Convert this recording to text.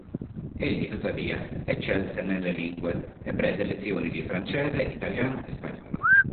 Egli, tuttavia, eccelse nelle lingue e prese lezioni di francese, italiano e spagnolo.